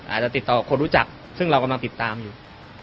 อาจจะติดต่อคนรู้จักซึ่งเรากำลังติดตามอยู่